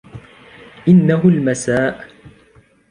إنه المساء